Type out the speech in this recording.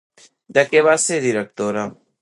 De què va ser directora?